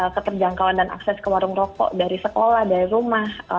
keterjangkauan dan akses ke warung rokok dari sekolah dari rumah